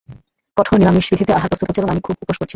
কঠোর নিরামিষবিধিতে আহার প্রস্তুত হচ্ছে, এবং আমি খুব উপোস করছি।